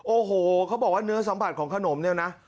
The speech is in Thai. โอ้โหเขาบอกว่าเนื้อสัมผัสของขนมเนี่ยนะ